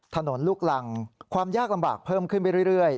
ลูกรังความยากลำบากเพิ่มขึ้นไปเรื่อย